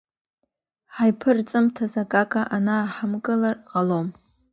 Ҳаиԥырҵымҭаз акака аанаҳамкылар ҟалом!